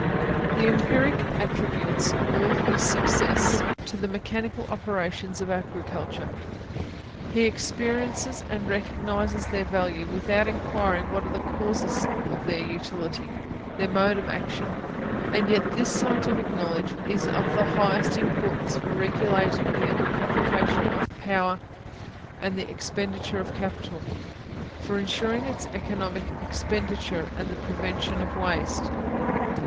The empiric attributes all his success to the mechanical operations of agriculture; he experiences and recognises their value, without inquiring what are the causes of their utility, their mode of action: and yet this scientific knowledge is of the highest importance for regulating the application of power and the expenditure of capital, for insuring its economical expenditure and the prevention of waste.